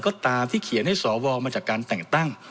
ก็ตามที่เขียนให้สวมาจากการแต่งตั้ง